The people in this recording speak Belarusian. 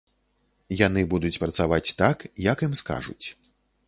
Яны будуць працаваць так, як ім скажуць.